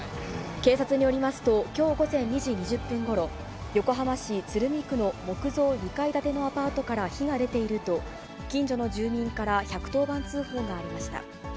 警察によりますと、きょう午前２時２０分ごろ、横浜市鶴見区の木造２階建てのアパートから火が出ていると、近所の住民から１１０番通報がありました。